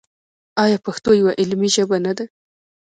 آیا پښتو یوه علمي ژبه نه ده؟